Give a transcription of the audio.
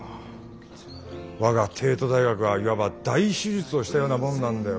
我が帝都大学はいわば大手術をしたようなもんなんだよ。